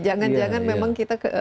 jangan jangan memang kita